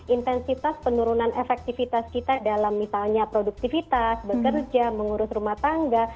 intensitas penurunan efektivitas kita dalam misalnya produktivitas bekerja mengurus rumah tangga